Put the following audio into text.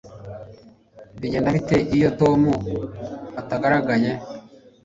Bigenda bite iyo Tom atagaragaye